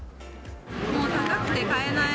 もう高くて買えない。